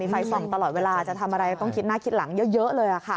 ไฟส่องตลอดเวลาจะทำอะไรต้องคิดหน้าคิดหลังเยอะเลยค่ะ